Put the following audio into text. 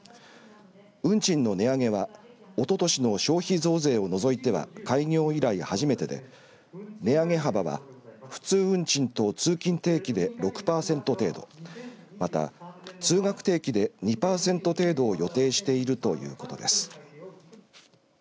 運賃の値上げはおととしの消費増税を除いては開業以来初めてで値上げ幅は普通運賃と通勤定期で６パーセント程度また、通学定期で２パーセント程度を予定しているということです。